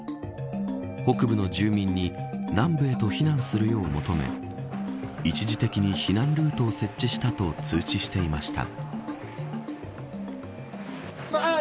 北部の住民に南部へと避難するよう求め一時的に避難ルートを設置したと通知していました。